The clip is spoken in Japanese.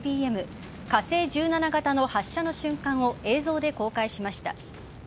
火星１７型の発射の瞬間を映像で公開しました。